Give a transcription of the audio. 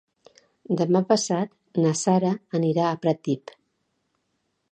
Demà passat na Sara anirà a Pratdip.